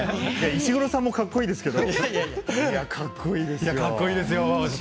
石黒さんもかっこいいですけどかっこいいです。